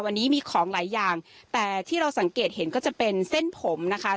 วันนี้มีของหลายอย่างแต่ที่เราสังเกตเห็นก็จะเป็นเส้นผมนะคะ